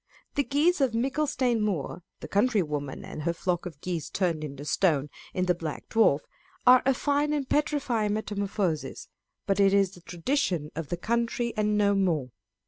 The geese of Micklestane Muir (the country woman and her flock of geese turned into stone) in the Black Dwarf, are a fine and petrifying metamorphosis ; but it is the tradition of the country and no more.